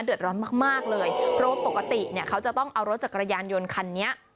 เดือดร้อนมากเลยรถปกติเขาจะต้องเอารถจากรยานยนต์คันนี้